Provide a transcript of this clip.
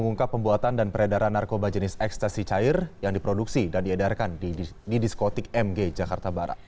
mengungkap pembuatan dan peredaran narkoba jenis ekstasi cair yang diproduksi dan diedarkan di diskotik mg jakarta barat